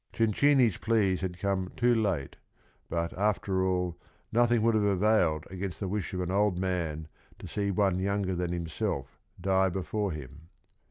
Cencini's pleas had come too late, but after all nothing would have availed against the wish of an old man to see one younger than himself die before him.